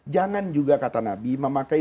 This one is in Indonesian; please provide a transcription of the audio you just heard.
jangan juga kata nabi memakai